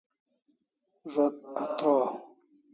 Zo't atroaw